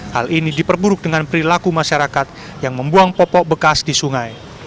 hal ini diperburuk dengan perilaku masyarakat yang membuang popok bekas di sungai